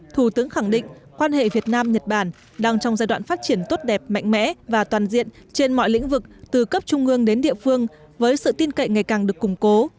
thủ tướng khẳng định quan hệ việt nam nhật bản đang trong giai đoạn phát triển tốt đẹp mạnh mẽ và toàn diện trên mọi lĩnh vực từ cấp trung ương đến địa phương với sự tin cậy ngày càng được củng cố